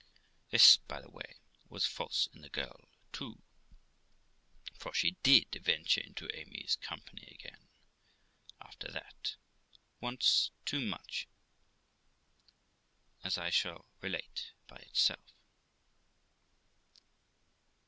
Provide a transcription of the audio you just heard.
This, by the way, was false in the girl too : for she did venture into Amy's company again after that, once too much, as I shall relate by itself.